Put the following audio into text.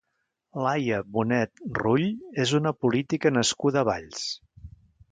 Laia Bonet Rull és una política nascuda a Valls.